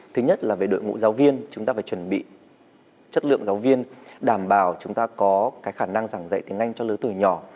thứ nhất là về đội ngũ giáo viên chúng ta phải chuẩn bị chất lượng giáo viên đảm bảo chúng ta có cái khả năng giảng dạy tiếng anh cho lứa tuổi nhỏ